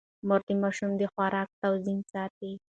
مور د ماشوم د خوراک توازن ساتي.